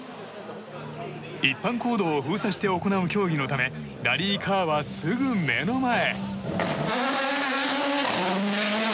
一般公道を封鎖して行う競技のためラリーカーは、すぐ目の前。